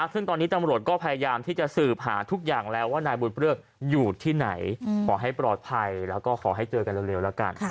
ซึ่งตอนนี้ตำรวจก็พยายามที่จะสืบหาทุกอย่างแล้วว่านายบุญเปลือกอยู่ที่ไหนขอให้ปลอดภัยแล้วก็ขอให้เจอกันเร็วแล้วกัน